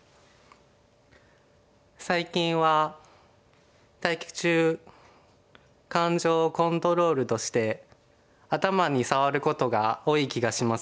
最近は対局中感情コントロールとして頭に触ることが多い気がします。